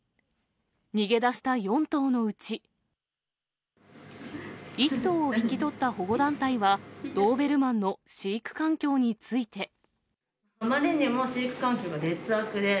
逃げ出した４頭のうち、１頭を引き取った保護団体は、ドーベルマあまりにも飼育環境が劣悪で。